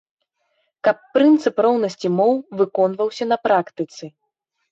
Каб прынцып роўнасці моў выконваўся на практыцы.